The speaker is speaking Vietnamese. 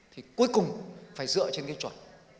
thì cuối cùng phải dựa trên cái chuẩn